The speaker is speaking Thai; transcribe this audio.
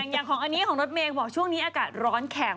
อย่างของอันนี้ของรถเมย์บอกช่วงนี้อากาศร้อนแข็ง